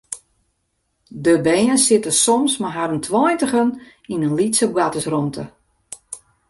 De bern sitte soms mei harren tweintigen yn in lytse boartersrûmte.